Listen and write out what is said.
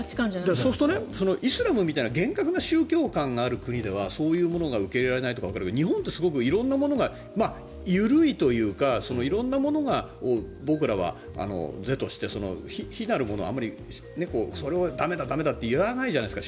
そうするとイスラムみたいな厳格な宗教観がある国ではそういうものが受け入れられないとかわかるけど日本って色んなものが緩いというか色んなものを僕らは是として非なるものをあまりそれを駄目だ、駄目だって言わないじゃないですか